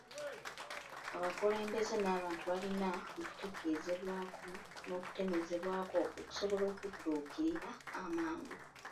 Abakulembeze n'abantu balina okutegeezebwa n'okutemezebwako okusobola okudduukirira mangu .